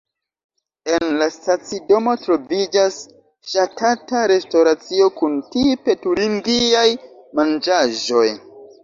En la stacidomo troviĝas ŝatata restoracio kun tipe turingiaj manĝaĵoj.